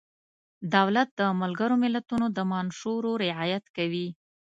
دولت د ملګرو ملتونو د منشورو رعایت کوي.